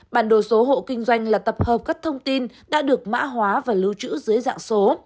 bản đồ số hộ kinh doanh là tập hợp các thông tin đã được mã hóa và lưu trữ dưới dạng số